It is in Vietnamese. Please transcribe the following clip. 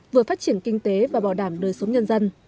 vừa phát triển kinh tế và bảo đảm đời sống nhân dân